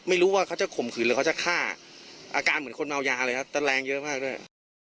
ไม่รู้ว่าเขาจะข่มขืนหรือเขาจะฆ่าอาการเหมือนคนเมายาเลยครับแต่แรงเยอะมากด้วย